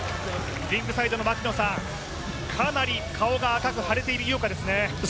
リングサイドの槙野さん、かなり顔が赤く腫れている井岡ですね。